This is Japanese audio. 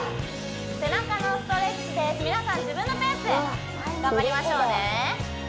背中のストレッチです皆さん自分のペースで頑張りましょうね